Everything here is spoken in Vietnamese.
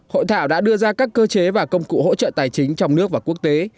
hội thảo đã đưa ra các cơ chế và công cụ hỗ trợ tài chính trong nước và quốc tế